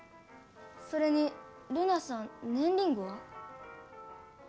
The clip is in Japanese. それにルナさんねんリングは？